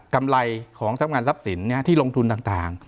กำไรของทรัพย์งานทรัพย์สินที่ลงทุนต่าง